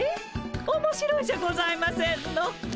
おもしろいじゃございませんの。